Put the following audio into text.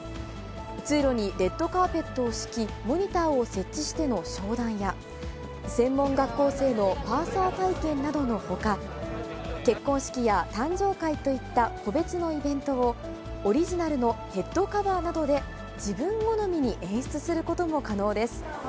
通路にレッドカーペットを敷き、モニターを設置しての商談や、専門学校生のパーサー体験などのほか、結婚式や誕生会といった個別のイベントを、オリジナルのヘッドカバーなどで自分好みに演出することも可能です。